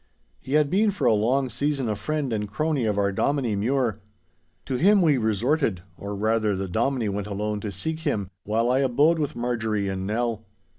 He had been for a long season a friend and crony of our Dominie Mure. To him we resorted, or rather the Dominie went alone to seek him, while I abode with Marjorie and Nell.